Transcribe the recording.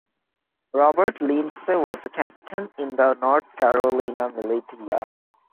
Robert Lindsay was a Captain in the North Carolina Militia.